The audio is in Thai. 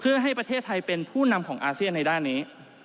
เพื่อให้ประเทศไทยเป็นผู้นำของอาเซียนในด้านนี้